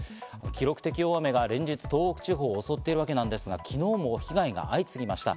記録的大雨が連日、東北地方を襲っているわけなんですが、昨日も被害が相次ぎました。